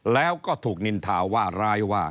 แล้วก็ถูกนินทาว่าร้ายว่า